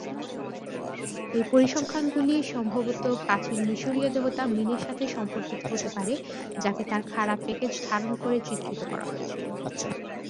এই পরিসংখ্যানগুলি সম্ভবত প্রাচীন মিশরীয় দেবতা মিনের সাথে সম্পর্কিত হতে পারে যাকে তার খাড়া প্যাকেজ ধারণ করে চিত্রিত করা হয়েছিল।